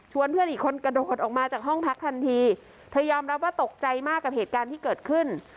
เพื่อนอีกคนกระโดดออกมาจากห้องพักทันทีเธอยอมรับว่าตกใจมากกับเหตุการณ์ที่เกิดขึ้น